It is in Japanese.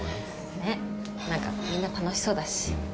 ねっなんかみんな楽しそうだし。